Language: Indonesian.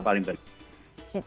itu paling penting